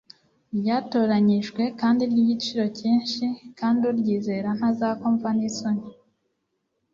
ryatoranijwe, kandi ry'igiciro cyinshi, kandi uryizera ntazakomva n'isoni!